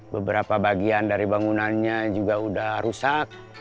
beberapa bagian dari bangunannya juga sudah rusak